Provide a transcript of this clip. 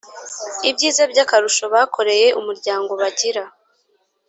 ibyiza by akarusho bakoreye umuryango bagira